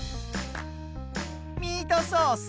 ミートソース。